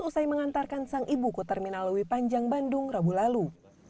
usai mengantarkan sang ibu ke terminal lewi panjang bandung rabu lalu